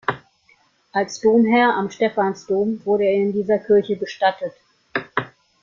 Als Domherr am Stephansdom wurde er in dieser Kirche bestattet.